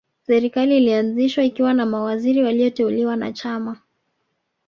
Serikali ilianzishwa ikiwa na mawaziri walioteuliwa na Chama